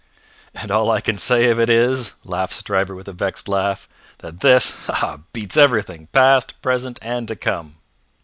"And all I can say of it is," laughed Stryver with a vexed laugh, "that this ha, ha! beats everything past, present, and to come."